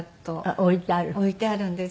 置いてあるんです。